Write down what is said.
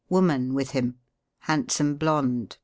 Woman with him. Handsome blonde.